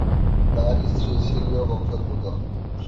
তার স্ত্রী সিরীয় বংশোদ্ভূত।